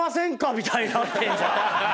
みたいになってんじゃん。